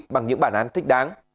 bằng những bản án thích đáng